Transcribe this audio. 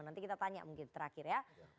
nanti kita tanya mungkin terakhir ya